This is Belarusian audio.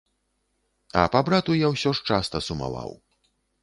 А па брату я ўсё ж часта сумаваў.